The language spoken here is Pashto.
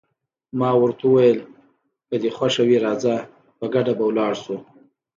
ما ورته وویل: که دې خوښه وي راځه، په ګډه به ولاړ شو.